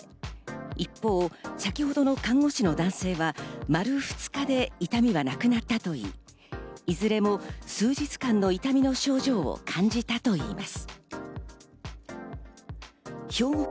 一方、先ほどの看護師の男性は丸２日で痛みはなくなったといい、いずれも数日間の痛みの症状を感じたといいます。